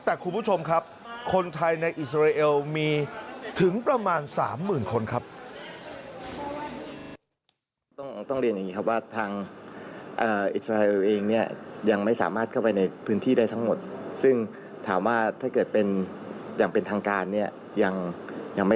แต่คุณผู้ชมครับคนไทยในอิสราเอลมีถึงประมาณ๓๐๐๐คนครับ